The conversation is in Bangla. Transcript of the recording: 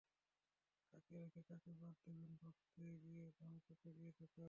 কাকে রেখে কাকে বাদ দেবেন ভাবতে গিয়ে ঘাম ছুটে গিয়েছে তাঁর।